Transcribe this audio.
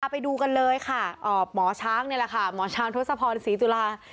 ไปดูกันเลยค่ะหมอช้างนี่แหละค่ะหมอช้างทศพรศรีตุลา